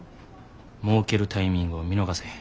もうけるタイミングを見逃せへん。